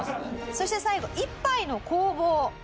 そして最後１杯の攻防。